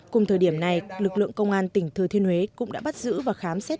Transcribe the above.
cùng thời điểm này lực lượng công an tỉnh thừa thiên huế cũng đã bắt giữ và khám xét